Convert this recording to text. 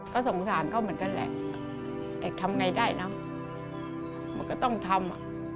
ก็สงสารเขาเหมือนกันแหละไอ้ทำไงได้เนอะมันก็ต้องทำ